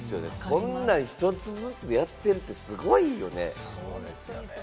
こんなん１つずつやってるって、すごいよね。